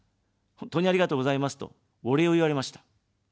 本当にありがとうございますと、お礼を言われました。